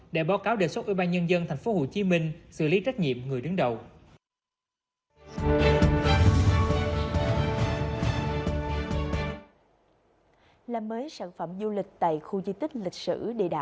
để báo cáo đề xuất ủy ban nhân dân tp hcm xử lý trách nhiệm người đứng đầu